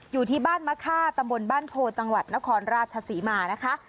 อยู่ที่บ้านมะค่าตำบลบ้านโพจังหวัดนครราชศรีมานะคะ